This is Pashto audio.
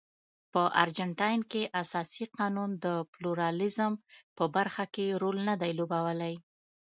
په ارجنټاین کې اساسي قانون د پلورالېزم په برخه کې رول نه دی لوبولی.